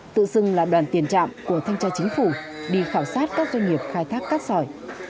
tự xưng là đoàn tiền trạm của thanh tra chính phủ đi khảo sát các doanh nghiệp khai thác cát sỏi